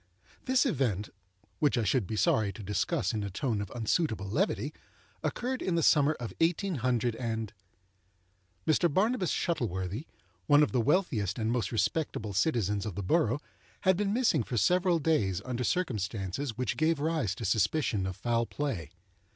This event—which I should be sorry to discuss in a tone of unsuitable levity—occurred in the summer of 18—. Mr. Barnabas Shuttleworthy—one of the wealthiest and most respectable citizens of the borough—had been missing for several days under circumstances which gave rise to suspicion of foul play.